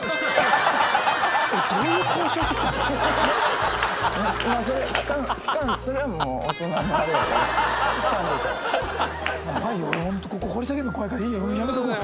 どういう交渉してきたの？